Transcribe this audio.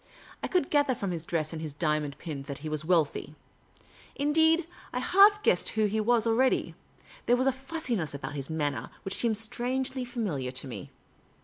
I could gather from his dress and his diamond pin that he was wealthy. Indeed, I half guessed who he was already. There was a fussiness about his manner which seemed strangely familiar to me.